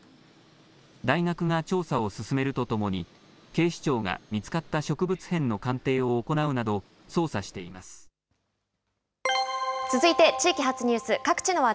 大学が調査を進めるとともに、警視庁が見つかった植物片の鑑定を続いて地域発ニュース。